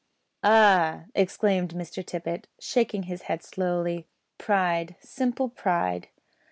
"Ah!" exclaimed Mr Tippet, shaking his head slowly, "pride, simple pride.